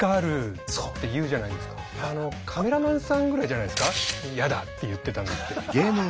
カメラマンさんぐらいじゃないすかやだって言ってたのって。